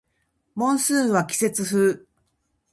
モンスーンは季節風